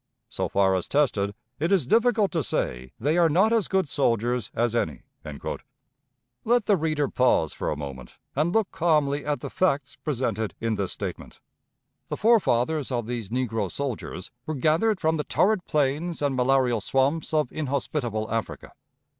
So far as tested, it is difficult to say they are not as good soldiers as any." Let the reader pause for a moment and look calmly at the facts presented in this statement. The forefathers of these negro soldiers were gathered from the torrid plains and malarial swamps of inhospitable Africa.